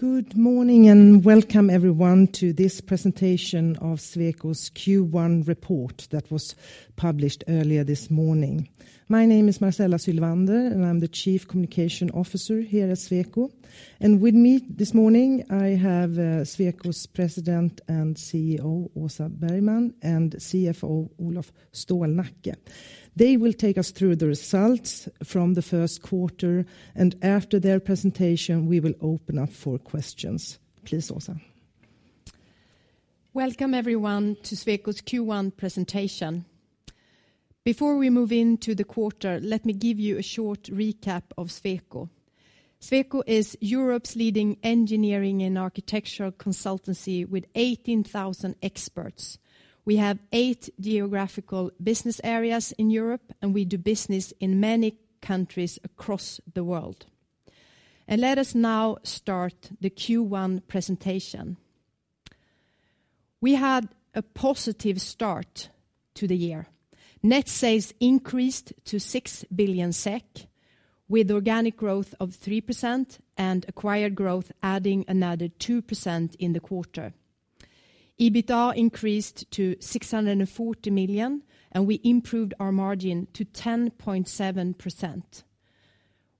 Good morning, and welcome everyone to this presentation of Sweco's Q1 report that was published earlier this morning. My name is Marcela Sylvander, and I'm the Chief Communications Officer here at Sweco. With me this morning, I have Sweco's President and CEO, Åsa Bergman, and CFO, Olof Stålnacke. They will take us through the results from the first quarter, and after their presentation, we will open up for questions. Please, Åsa. Welcome, everyone, to Sweco's Q1 presentation. Before we move into the quarter, let me give you a short recap of Sweco. Sweco is Europe's leading engineering and architectural consultancy with 18,000 experts. We have eight geographical business areas in Europe, and we do business in many countries across the world. Let us now start the Q1 presentation. We had a positive start to the year. Net sales increased to 6 billion SEK, with organic growth of 3% and acquired growth adding another 2% in the quarter. EBITDA increased to 640 million, and we improved our margin to 10.7%.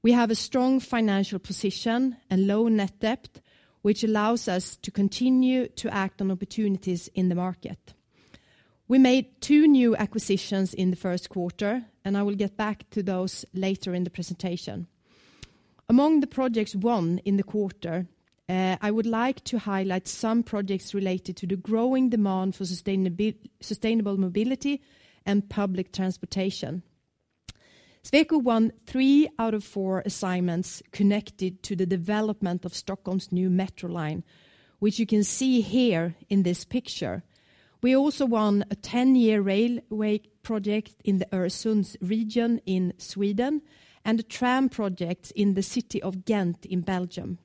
We have a strong financial position and low net debt, which allows us to continue to act on opportunities in the market. We made two new acquisitions in the first quarter, and I will get back to those later in the presentation. Among the projects won in the quarter, I would like to highlight some projects related to the growing demand for sustainable mobility and public transportation. Sweco won three out of four assignments connected to the development of Stockholm's new metro line, which you can see here in this picture. We also won a ten-year railway project in the Öresund region in Sweden and a tram project in the city of Ghent in Belgium.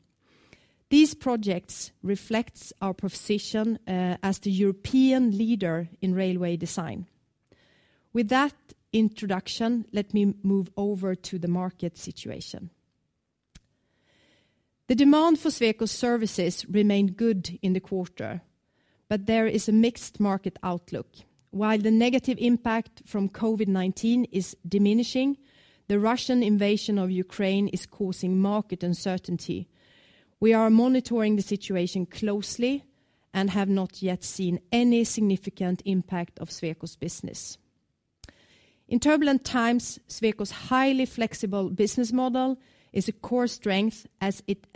These projects reflects our proposition as the European leader in railway design. With that introduction, let me move over to the market situation. The demand for Sweco services remained good in the quarter, but there is a mixed market outlook. While the negative impact from COVID-19 is diminishing, the Russian invasion of Ukraine is causing market uncertainty. We are monitoring the situation closely and have not yet seen any significant impact of Sweco's business. In turbulent times, Sweco's highly flexible business model is a core strength as it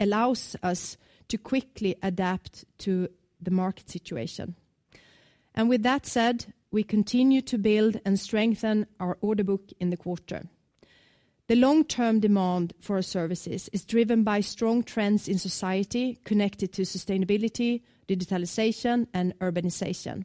allows us to quickly adapt to the market situation. With that said, we continue to build and strengthen our order book in the quarter. The long-term demand for our services is driven by strong trends in society connected to sustainability, digitalization, and urbanization.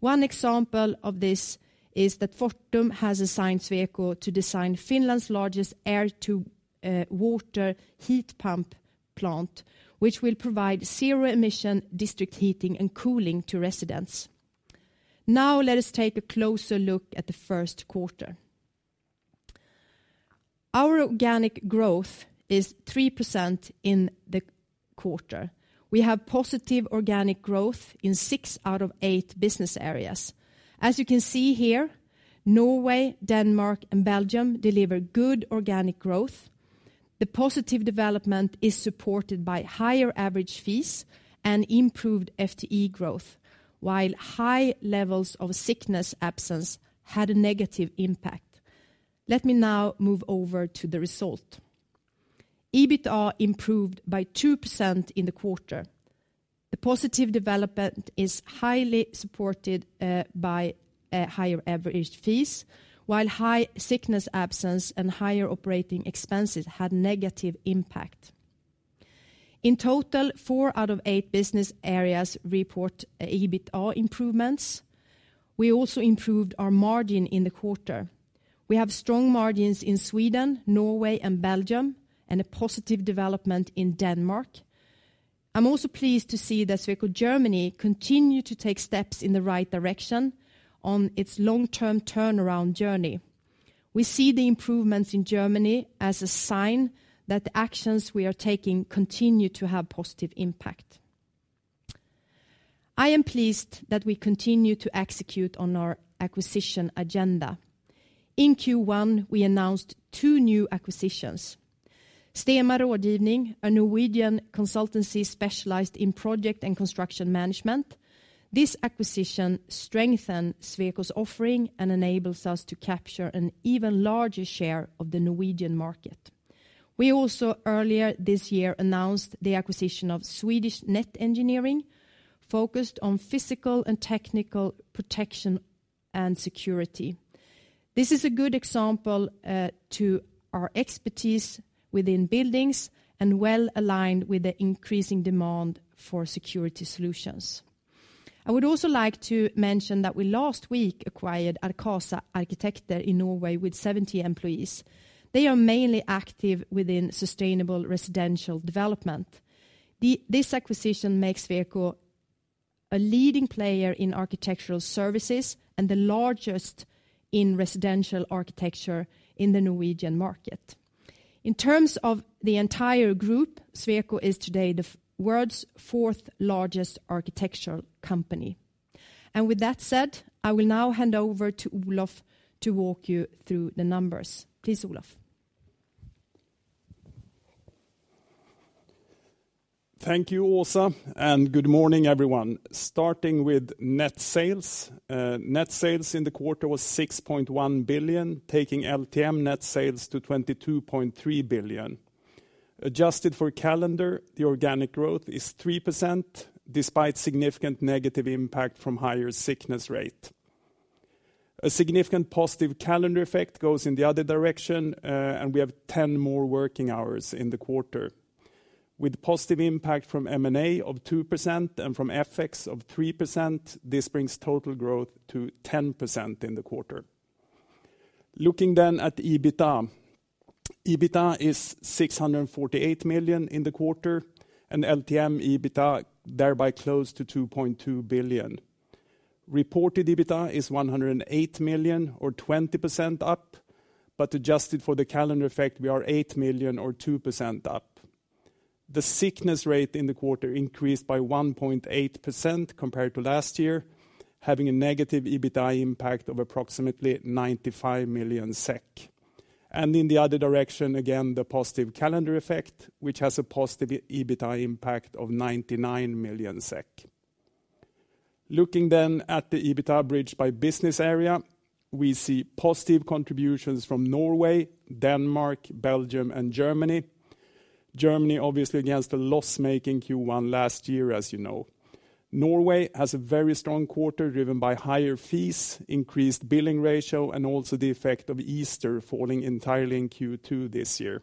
One example of this is that Fortum has assigned Sweco to design Finland's largest air-to-water heat pump plant, which will provide zero-emission district heating and cooling to residents. Now, let us take a closer look at the first quarter. Our organic growth is 3% in the quarter. We have positive organic growth in six out of eight business areas. As you can see here, Norway, Denmark, and Belgium deliver good organic growth. The positive development is supported by higher average fees and improved FTE growth, while high levels of sickness absence had a negative impact. Let me now move over to the result. EBITDA improved by 2% in the quarter. The positive development is highly supported by higher average fees, while high sickness absence and higher operating expenses had negative impact. In total, four out of eight business areas report EBITDA improvements. We also improved our margin in the quarter. We have strong margins in Sweden, Norway, and Belgium, and a positive development in Denmark. I'm also pleased to see that Sweco Germany continue to take steps in the right direction on its long-term turnaround journey. We see the improvements in Germany as a sign that the actions we are taking continue to have positive impact. I am pleased that we continue to execute on our acquisition agenda. In Q1, we announced two new acquisitions. Stema Rådgivning, a Norwegian consultancy specialized in project and construction management. This acquisition strengthens Sweco's offering and enables us to capture an even larger share of the Norwegian market. We also earlier this year announced the acquisition of Swedish Net Engineering, focused on physical and technical protection and security. This is a good example to our expertise within buildings and well-aligned with the increasing demand for security solutions. I would also like to mention that we last week acquired Arcasa Arkitekter in Norway with 70 employees. They are mainly active within sustainable residential development. This acquisition makes Sweco a leading player in architectural services and the largest in residential architecture in the Norwegian market. In terms of the entire group, Sweco is today the world's fourth largest architectural company. With that said, I will now hand over to Olof to walk you through the numbers. Please, Olof. Thank you, Åsa, and good morning, everyone. Starting with net sales. Net sales in the quarter was 6.1 billion, taking LTM net sales to 22.3 billion. Adjusted for calendar, the organic growth is 3% despite significant negative impact from higher sickness rate. A significant positive calendar effect goes in the other direction, and we have 10 more working hours in the quarter. With positive impact from M&A of 2% and from FX of 3%, this brings total growth to 10% in the quarter. Looking at EBITDA. EBITDA is 648 million in the quarter, and LTM EBITDA thereby close to 2.2 billion. Reported EBITDA is 108 million or 20% up, but adjusted for the calendar effect, we are 8 million or 2% up. The sickness rate in the quarter increased by 1.8% compared to last year, having a negative EBITDA impact of approximately 95 million SEK. In the other direction, again, the positive calendar effect, which has a positive EBITDA impact of 99 million SEK. Looking then at the EBITDA bridged by business area, we see positive contributions from Norway, Denmark, Belgium, and Germany. Germany, obviously against a loss making Q1 last year, as you know. Norway has a very strong quarter driven by higher fees, increased billing ratio, and also the effect of Easter falling entirely in Q2 this year.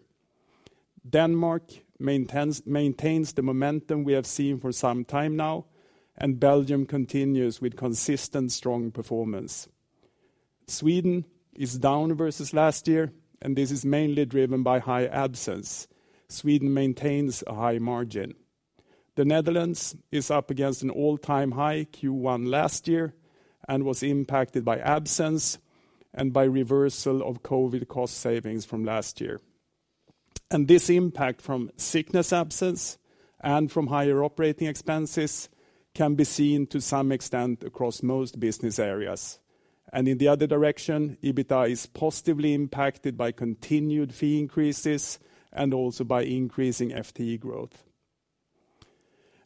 Denmark maintains the momentum we have seen for some time now, and Belgium continues with consistent strong performance. Sweden is down versus last year, and this is mainly driven by high absence. Sweden maintains a high margin. The Netherlands is up against an all-time high Q1 last year and was impacted by absence and by reversal of COVID cost savings from last year. This impact from sickness absence and from higher operating expenses can be seen to some extent across most business areas. In the other direction, EBITDA is positively impacted by continued fee increases and also by increasing FTE growth.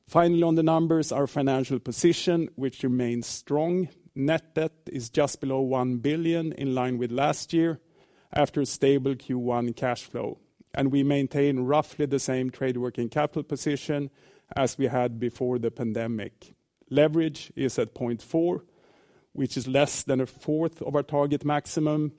Finally, on the numbers, our financial position, which remains strong. Net debt is just below 1 billion, in line with last year, after a stable Q1 cash flow. We maintain roughly the same trade working capital position as we had before the pandemic. Leverage is at 0.4, which is less than a fourth of our target maximum.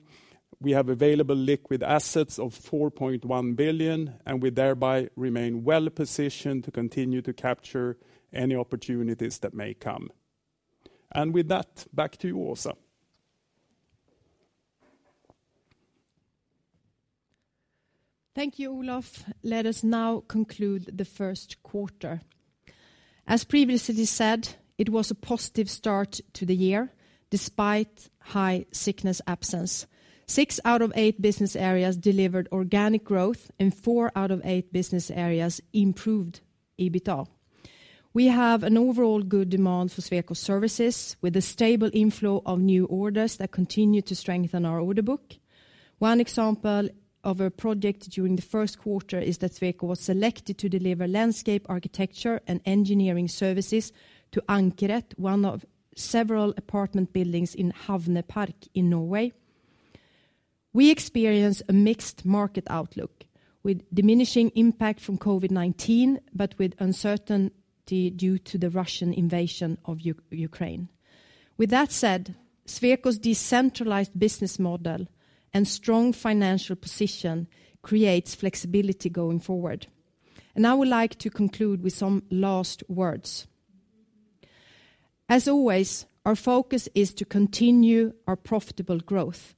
We have available liquid assets of 4.1 billion, and we thereby remain well positioned to continue to capture any opportunities that may come. With that, back to you, Åsa. Thank you, Olof. Let us now conclude the first quarter. As previously said, it was a positive start to the year despite high sickness absence. Six out of eight business areas delivered organic growth, and four out of eight business areas improved EBITDA. We have an overall good demand for Sweco services with a stable inflow of new orders that continue to strengthen our order book. One example of a project during the first quarter is that Sweco was selected to deliver landscape architecture and engineering services to Ankeret, one of several apartment buildings in Havneparken in Norway. We experience a mixed market outlook with diminishing impact from COVID-19, but with uncertainty due to the Russian invasion of Ukraine. With that said, Sweco's decentralized business model and strong financial position creates flexibility going forward. I would like to conclude with some last words. As always, our focus is to continue our profitable growth,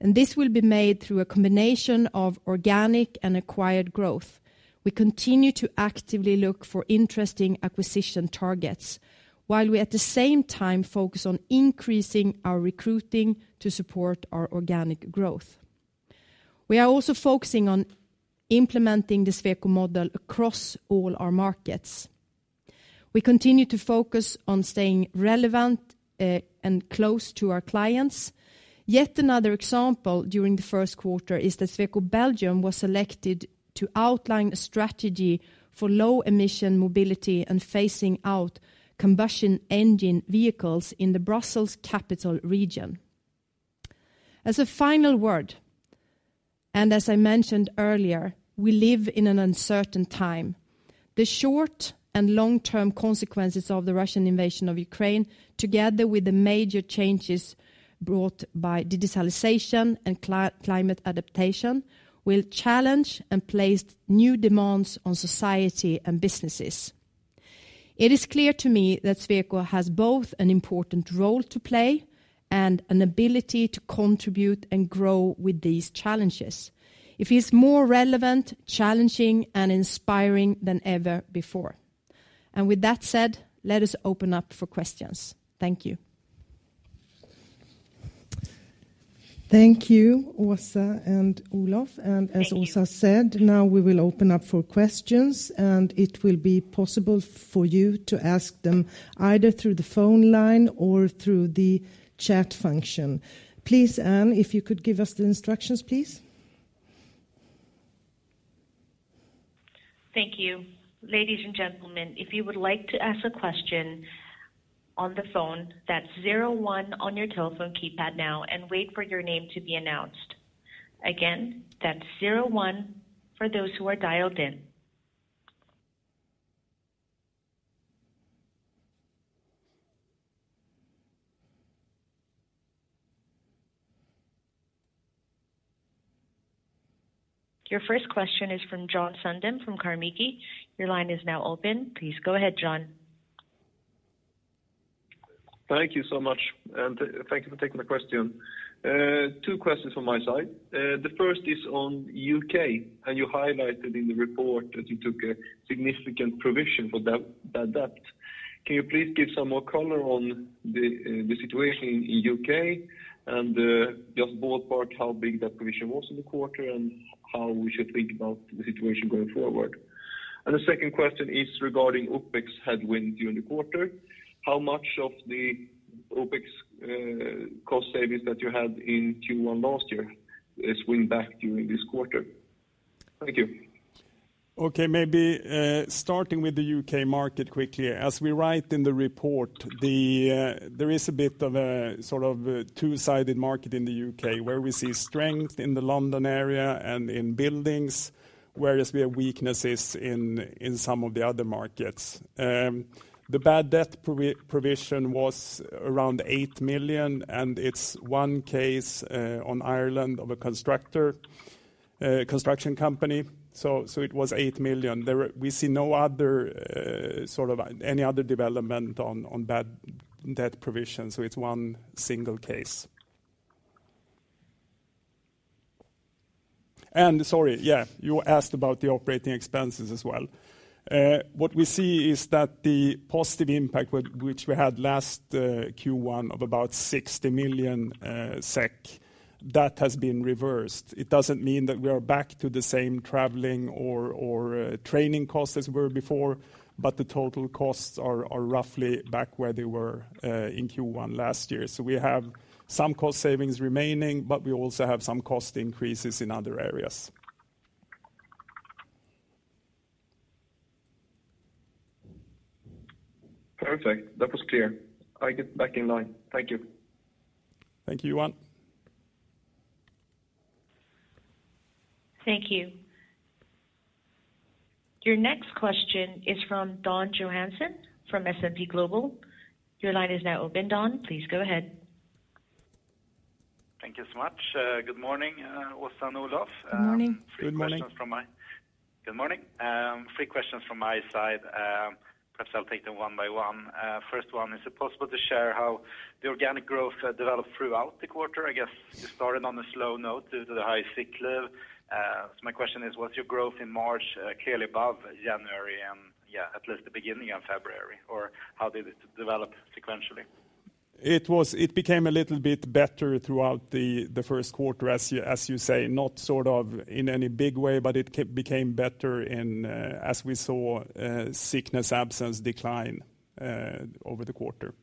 and this will be made through a combination of organic and acquired growth. We continue to actively look for interesting acquisition targets while we, at the same time, focus on increasing our recruiting to support our organic growth. We are also focusing on implementing the Sweco model across all our markets. We continue to focus on staying relevant, and close to our clients. Yet another example during the first quarter is that Sweco Belgium was selected to outline a strategy for low emission mobility and phasing out combustion engine vehicles in the Brussels Capital Region. As a final word, and as I mentioned earlier, we live in an uncertain time. The short and long-term consequences of the Russian invasion of Ukraine, together with the major changes brought by digitalization and climate adaptation, will challenge and place new demands on society and businesses. It is clear to me that Sweco has both an important role to play and an ability to contribute and grow with these challenges. It is more relevant, challenging, and inspiring than ever before. With that said, let us open up for questions. Thank you. Thank you, Åsa and Olof. As Åsa said, now we will open up for questions, and it will be possible for you to ask them either through the phone line or through the chat function. Please, Anne, if you could give us the instructions, please. Thank you. Ladies and gentlemen, if you would like to ask a question on the phone, that's zero one on your telephone keypad now and wait for your name to be announced. Again, that's zero one for those who are dialed in. Your first question is from Johan Sundén from Carnegie. Your line is now open. Please go ahead, Johan. Thank you so much. Thank you for taking my question. Two questions from my side. The first is on U.K., and you highlighted in the report that you took a significant provision for bad debt. Can you please give some more color on the situation in U.K. and just ballpark how big that provision was in the quarter and how we should think about the situation going forward? The second question is regarding OpEx headwind during the quarter. How much of the OpEx cost savings that you had in Q1 last year is wind back during this quarter? Thank you. Okay. Maybe starting with the U.K. market quickly. As we write in the report, there is a bit of a sort of a two-sided market in the U.K. where we see strength in the London area and in buildings, whereas we have weaknesses in some of the other markets. The bad debt provision was around 8 million, and it's one case on Ireland of a construction company. So, it was 8 million. We see no other sort of any other development on bad debt provisions, so it's one single case. Sorry, yeah, you asked about the operating expenses as well. What we see is that the positive impact with which we had last Q1 of about 60 million SEK that has been reversed. It doesn't mean that we are back to the same traveling or training costs as were before, but the total costs are roughly back where they were in Q1 last year. We have some cost savings remaining, but we also have some cost increases in other areas. Perfect. That was clear. I get back in line. Thank you. Thank you, Johan. Thank you. Your next question is from Dan Johansson from SEB. Your line is now open, Dan. Please go ahead. Thank you so much. Good morning, Åsa and Olof. Good morning. Good morning. Good morning. Three questions from my side. Perhaps I'll take them one by one. First one, is it possible to share how the organic growth developed throughout the quarter? I guess you started on a slow note due to the high sick leave. So my question is, was your growth in March clearly above January and, yeah, at least the beginning of February? Or how did it develop sequentially? It became a little bit better throughout the first quarter, as you say. Not sort of in any big way, but it became better in, as we saw, sickness absence decline, over the quarter.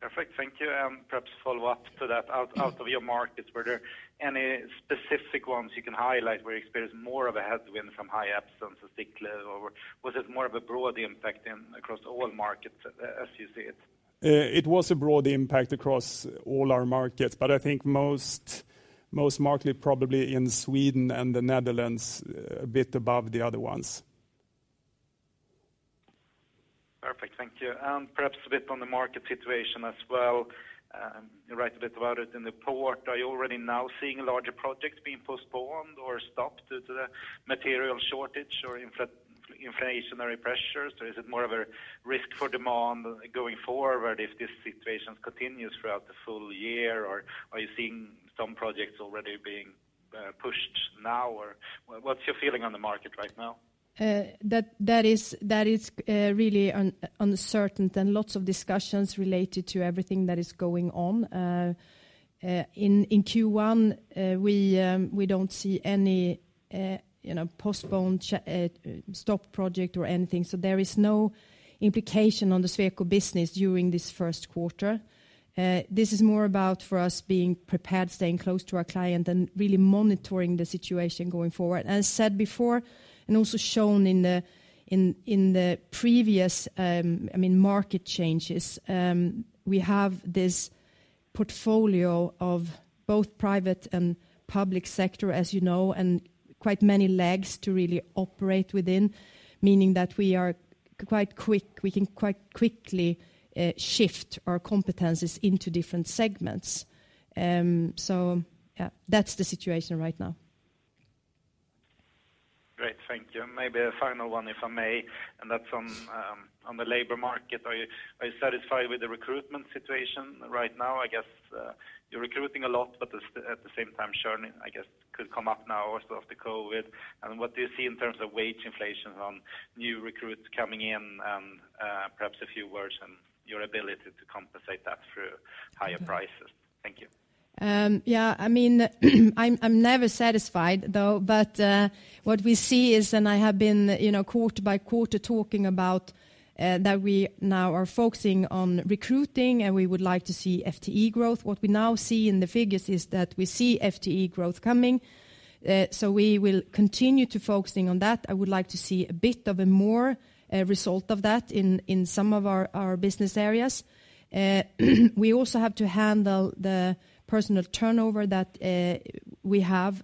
Perfect. Thank you. Perhaps follow up to that. Out of your markets, were there any specific ones you can highlight where you experienced more of a headwind from high absence or sick leave? Or was it more of a broad impact across all markets as you see it? It was a broad impact across all our markets, but I think most markedly, probably in Sweden and the Netherlands a bit above the other ones. Perfect. Thank you. Perhaps a bit on the market situation as well. You write a bit about it in the report. Are you already now seeing larger projects being postponed or stopped due to the material shortage or inflationary pressures? Is it more of a risk for demand going forward if this situation continues throughout the full year? Are you seeing some projects already being pushed now? What's your feeling on the market right now? That is really uncertain and lots of discussions related to everything that is going on. In Q1, we don't see any, you know, postponed stock project or anything. There is no implication on the Sweco business during this first quarter. This is more about for us being prepared, staying close to our client and really monitoring the situation going forward. As said before, and also shown in the previous, I mean, market changes, we have this portfolio of both private and public sector, as you know, and quite many legs to really operate within, meaning that we are quite quick. We can quite quickly shift our competencies into different segments. Yeah, that's the situation right now. Great. Thank you. Maybe a final one, if I may, and that's on the labor market. Are you satisfied with the recruitment situation right now? I guess you're recruiting a lot, but at the same time, churning, I guess, could come up now also after COVID. What do you see in terms of wage inflation on new recruits coming in and perhaps a few words on your ability to compensate that through higher prices? Thank you. Yeah, I mean I'm never satisfied though, but what we see is and I have been, you know, quarter by quarter talking about that we now are focusing on recruiting, and we would like to see FTE growth. What we now see in the figures is that we see FTE growth coming. We will continue to focus on that. I would like to see a bit of a more result of that in some of our business areas. We also have to handle the personnel turnover that we have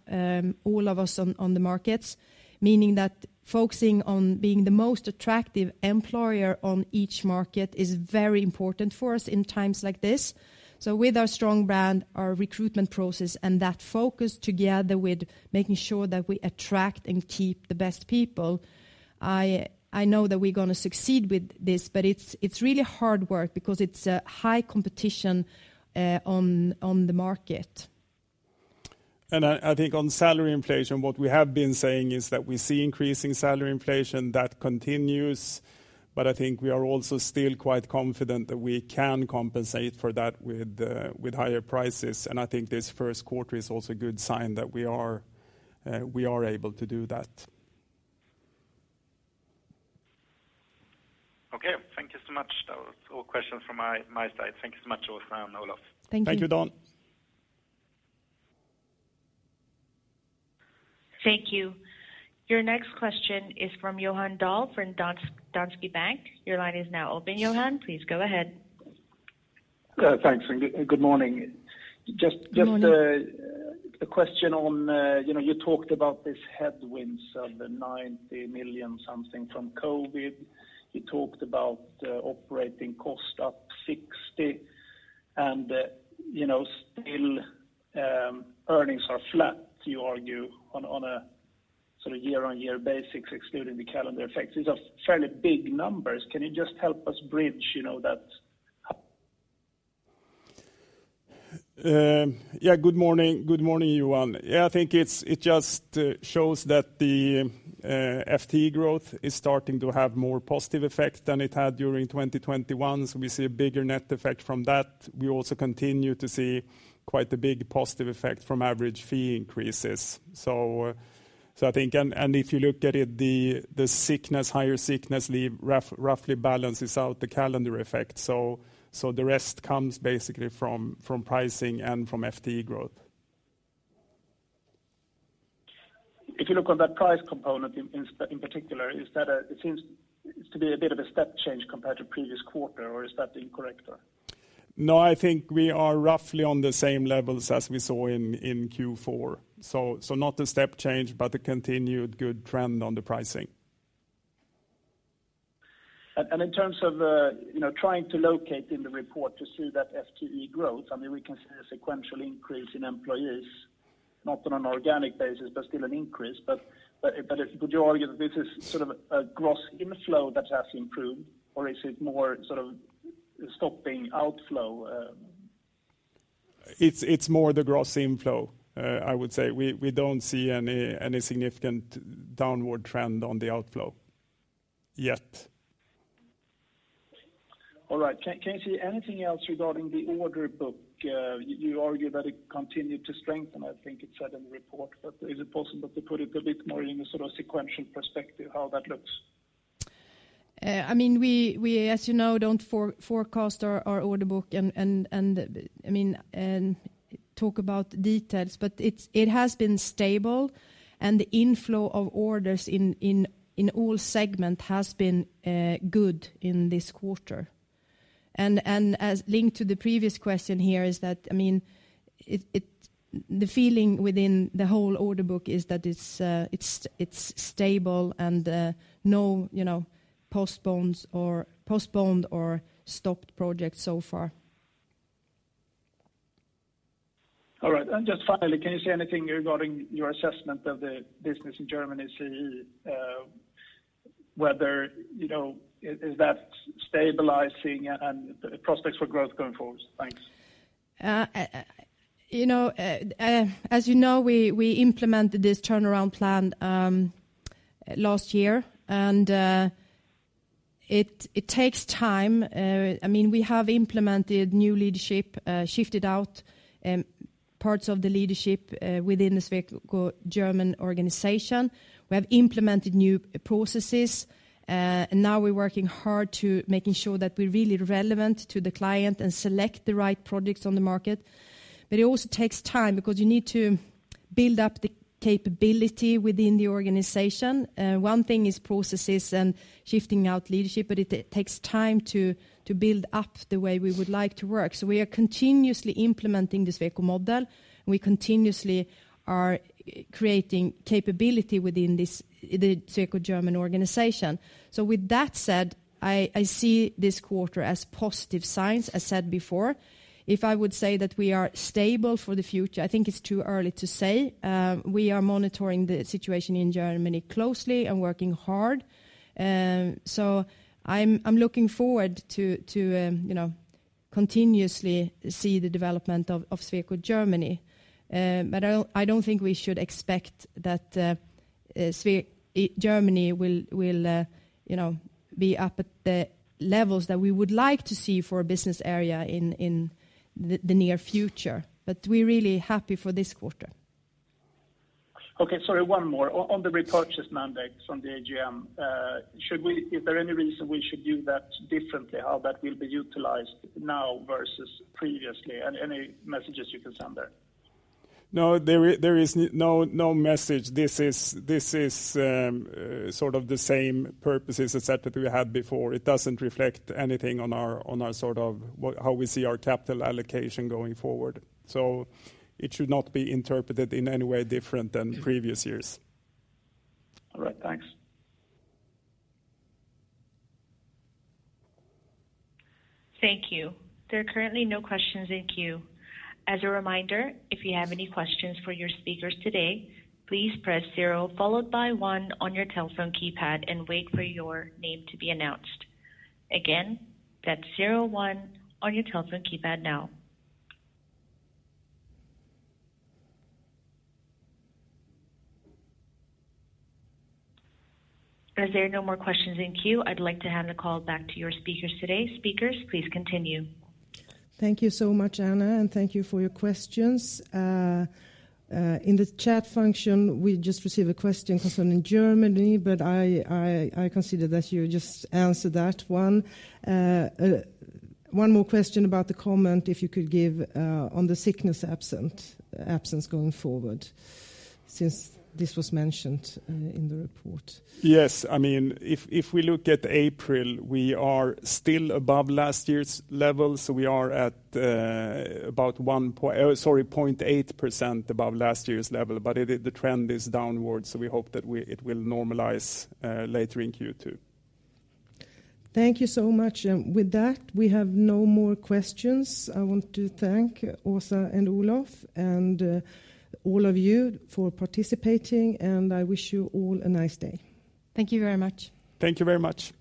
all of us on the markets, meaning that focusing on being the most attractive employer on each market is very important for us in times like this. With our strong brand, our recruitment process, and that focus together with making sure that we attract and keep the best people, I know that we're gonna succeed with this, but it's really hard work because it's a high competition on the market. I think on salary inflation, what we have been saying is that we see increasing salary inflation that continues, but I think we are also still quite confident that we can compensate for that with higher prices. I think this first quarter is also a good sign that we are able to do that. Okay. Thank you so much. That was all questions from my side. Thank you so much, Åsa and Olof. Thank you. Thank you, Dan. Thank you. Your next question is from Johan Dahl from Danske Bank. Your line is now open, Johan. Please go ahead. Thanks, good morning. Good morning. Just a question on, you know, you talked about this headwinds of the 90 million something from COVID-19. You talked about operating cost up 60, and, you know, still, earnings are flat, you argue, on a sort of year-on-year basis excluding the calendar effects. These are fairly big numbers. Can you just help us bridge, you know, that? Good morning. Good morning, Johan. Yeah, I think it just shows that the FTE growth is starting to have more positive effect than it had during 2021, so we see a bigger net effect from that. We also continue to see quite a big positive effect from average fee increases. I think, and if you look at it, the higher sickness leave roughly balances out the calendar effect. The rest comes basically from pricing and from FTE growth. If you look on that price component in particular, it seems to be a bit of a step change compared to previous quarter or is that incorrect or? No, I think we are roughly on the same levels as we saw in Q4. Not a step change, but a continued good trend on the pricing. In terms of, you know, trying to locate in the report to see that FTE growth, I mean, we can see a sequential increase in employees, not on an organic basis, but still an increase. Would you argue that this is sort of a gross inflow that has improved or is it more sort of stopping outflow? It's more the gross inflow, I would say. We don't see any significant downward trend on the outflow yet. All right. Can you say anything else regarding the order book? You argue that it continued to strengthen, I think it said in the report. Is it possible to put it a bit more in a sort of sequential perspective how that looks? I mean, we as you know don't forecast our order book and talk about details, but it has been stable, and the inflow of orders in all segment has been good in this quarter. As linked to the previous question here is that, I mean, the feeling within the whole order book is that it's stable and no you know postponed or stopped projects so far. All right. Just finally, can you say anything regarding your assessment of the business in Germany and Central Europe, whether, you know, is that stabilizing and prospects for growth going forward? Thanks. You know, as you know, we implemented this turnaround plan last year, and it takes time. I mean, we have implemented new leadership, shifted out parts of the leadership within the Sweco Germany organization. We have implemented new processes, and now we're working hard to making sure that we're really relevant to the client and select the right products on the market. It also takes time because you need to build up the capability within the organization. One thing is processes and shifting out leadership, but it takes time to build up the way we would like to work. We are continuously implementing the Sweco model, and we continuously are creating capability within the Sweco Germany organization. With that said, I see this quarter as positive signs, as said before. If I would say that we are stable for the future, I think it's too early to say. We are monitoring the situation in Germany closely and working hard. I'm looking forward to you know continuously see the development of Sweco Germany. I don't think we should expect that Germany will you know be up at the levels that we would like to see for a business area in the near future. We're really happy for this quarter. Okay, sorry, one more. On the repurchase mandates on the AGM, is there any reason we should do that differently how that will be utilized now versus previously? Any messages you can send there? No, there is no message. This is sort of the same purposes et cetera that we had before. It doesn't reflect anything on our sort of how we see our capital allocation going forward. It should not be interpreted in any way different than previous years. All right. Thanks. Thank you. There are currently no questions in queue. As a reminder, if you have any questions for your speakers today, please press zero followed by one on your telephone keypad and wait for your name to be announced. Again, that's zero one on your telephone keypad now. As there are no more questions in queue, I'd like to hand the call back to your speakers today. Speakers, please continue. Thank you so much, Anna, and thank you for your questions. In the chat function, we just received a question concerning Germany, but I consider that you just answered that one. One more question about the comment if you could give on the sickness absence going forward since this was mentioned in the report. Yes. I mean, if we look at April, we are still above last year's levels. We are at about 1.8% above last year's level. The trend is downwards, so we hope that it will normalize later in Q2. Thank you so much. With that, we have no more questions. I want to thank Åsa and Olof and all of you for participating, and I wish you all a nice day. Thank you very much. Thank you very much.